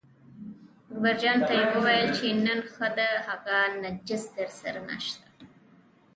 اکبرجان ته یې وویل چې نن ښه ده هغه نجس درسره نشته.